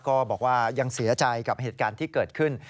ก็บอกว่ายังเสียใจกับเหตุการณ์ที่เกิดขึ้น